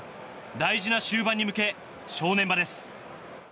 大事な終盤に向け正念場です。